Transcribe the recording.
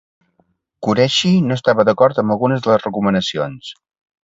Qureshi no estava d'acord amb algunes de les recomanacions.